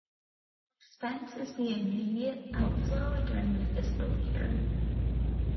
Expense is the immediate outflow during the fiscal year.